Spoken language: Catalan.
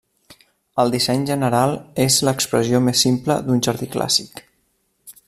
El disseny general és l'expressió més simple d'un jardí clàssic.